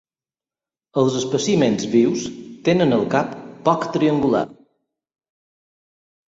Els espècimens vius tenen el cap poc triangular.